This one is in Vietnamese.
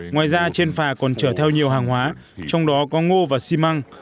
ngoài ra trên phà còn chở theo nhiều hàng hóa trong đó có ngô và xi măng